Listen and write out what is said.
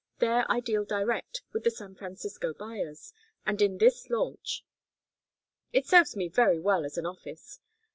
There I deal direct with the San Francisco buyers and in this launch; it serves me very well as an office.